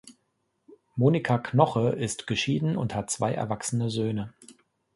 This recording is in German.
Monika Knoche ist geschieden und hat zwei erwachsene Söhne.